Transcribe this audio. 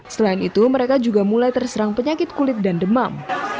selain itu mereka juga mulai terserang penyakit kulit dan demam